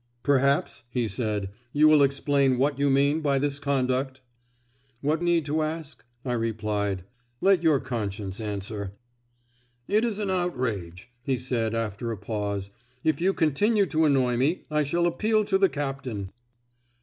"Perhaps," he said, "you will explain what you mean by this conduct?" "What need to ask?" I replied. "Let your conscience answer." "It is an outrage," he said, after a pause. "If you continue to annoy me, I shall appeal to the captain."